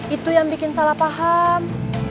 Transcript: itu yang bikin salah paham